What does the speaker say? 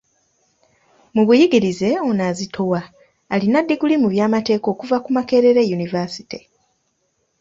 Mu buyigirize ono azitowa, alina ddiguli mu by’amateeka okuva ku Makerere University.